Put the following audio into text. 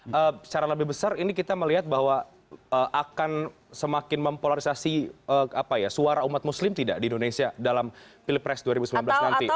secara lebih besar ini kita melihat bahwa akan semakin mempolarisasi suara umat muslim tidak di indonesia dalam pilpres dua ribu sembilan belas nanti